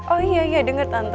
oh iya iya dengar tante